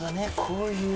こういう。